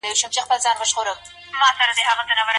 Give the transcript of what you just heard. تر طلاق وروسته زياتي ستونزي خاوند ته پېښيږي.